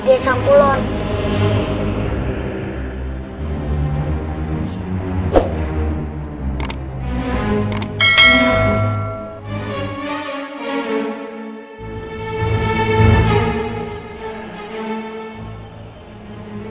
tidak ada yang tahu